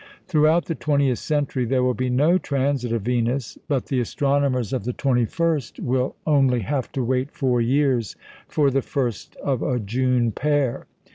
Throughout the twentieth century there will be no transit of Venus; but the astronomers of the twenty first will only have to wait four years for the first of a June pair.